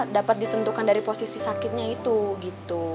dapat ditentukan dari posisi sakitnya itu gitu